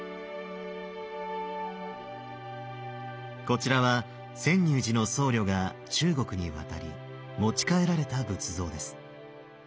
こちらは泉涌寺の僧侶が中国に渡り持ち帰られた仏像です。